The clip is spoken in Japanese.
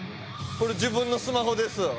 これ自分のスマホです